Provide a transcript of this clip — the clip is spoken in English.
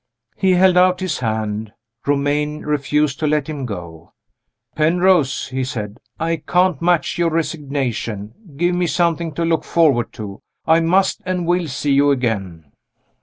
He held out his hand. Romayne refused to let him go. "Penrose!" he said, "I can't match your resignation. Give me something to look forward to. I must and will see you again."